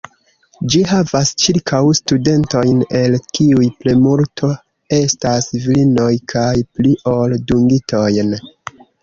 Ĝi havas ĉirkaŭ studentojn, el kiuj plejmulto estas virinoj, kaj pli ol dungitojn.